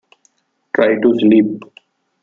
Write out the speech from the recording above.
Try to sleep.